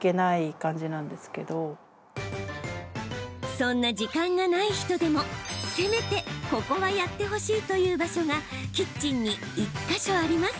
そんな時間がない人でもせめてここはやってほしいという場所がキッチンに１か所あります。